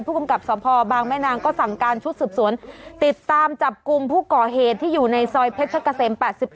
กำกับสภบางแม่นางก็สั่งการชุดสืบสวนติดตามจับกลุ่มผู้ก่อเหตุที่อยู่ในซอยเพชรกะเสม๘๑